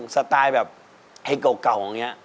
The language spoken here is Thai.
สไตล์แบบไอ้เก่าอย่างนี้